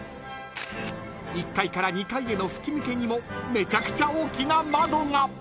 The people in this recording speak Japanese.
［１階から２階への吹き抜けにもめちゃくちゃ大きな窓が］